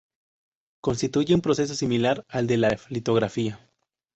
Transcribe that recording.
Constituye un proceso similar al de la litografía.